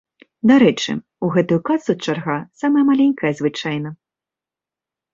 Дарэчы, у гэтую касу чарга самая маленькая звычайна.